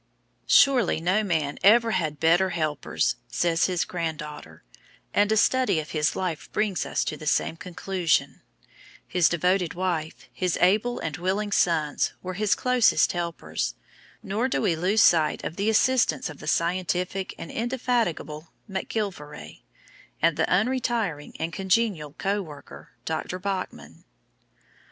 "Surely no man ever had better helpers" says his grand daughter, and a study of his life brings us to the same conclusion his devoted wife, his able and willing sons, were his closest helpers, nor do we lose sight of the assistance of the scientific and indefatigable MacGillivray, and the untiring and congenial co worker, Dr. Bachman.